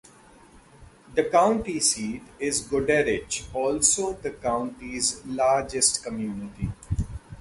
The county seat is Goderich, also the county's largest community.